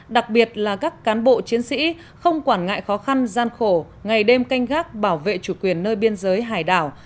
đặc biệt là các cán bộ chiến sĩ không quản ngại khó khăn gian khổ ngày đêm canh gác bảo vệ chủ quyền nơi biên giới hải đảo